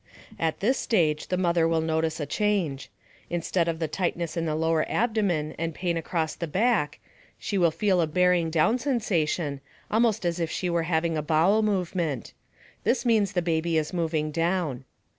At this stage the mother will notice a change. Instead of the tightness in the lower abdomen and pain across the back, she will feel a bearing down sensation almost as if she were having a bowel movement. This means the baby is moving down.